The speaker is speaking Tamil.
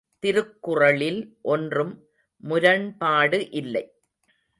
திருக்குறளில் ஒன்றும் முரண்பாடு இல்லை!